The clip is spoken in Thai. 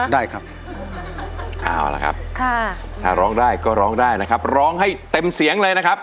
ได้ครับเอาละครับค่ะถ้าร้องได้ก็ร้องได้นะครับร้องให้เต็มเสียงเลยนะครับ